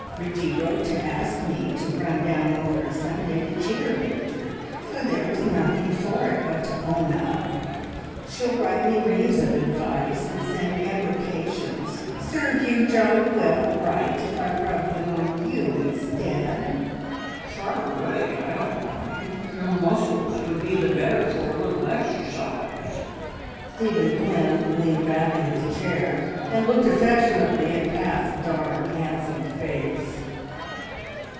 Bridgie wrote to ask me to run down over a Sunday, to cheer Victor, so there was nothing for it but to own up. She'll write me reams of advice and send embrocations. Serve you jolly well right if I rubbed them on you instead!" "Fire away, I don't mind! Your muscles would be the better for a little exercise." Stephen Glynn leaned back in his chair and looked affectionately at Pat's dark, handsome face.